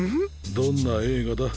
どんな映画だ？